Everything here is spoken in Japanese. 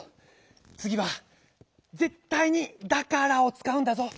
つぎはぜったいに「だから」をつかうんだぞ。